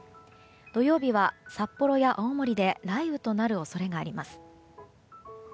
土曜日は札幌や青森で雷雨となる恐れがあります。